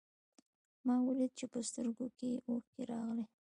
ما وليده چې په سترګو کې يې اوښکې راغلې.